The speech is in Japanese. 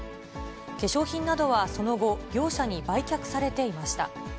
化粧品などはその後、業者に売却されていました。